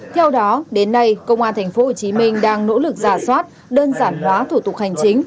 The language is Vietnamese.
theo đó đến nay công an tp hcm đang nỗ lực giả soát đơn giản hóa thủ tục hành chính